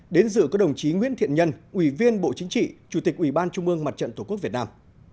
đến dự có đồng chí nguyễn thiện nhân ủy viên bộ chính trị chủ tịch ủy ban trung ương mặt trận tổ quốc việt nam